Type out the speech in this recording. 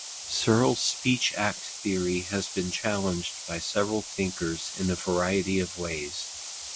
Searle's speech-act theory has been challenged by several thinkers in a variety of ways.